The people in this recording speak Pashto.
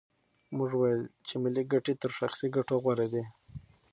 موږ وویل چې ملي ګټې تر شخصي ګټو غوره دي.